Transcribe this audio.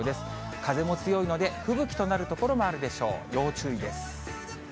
風も強いので、吹雪となる所もあるので要注意です。